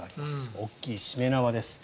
大きいしめ縄です。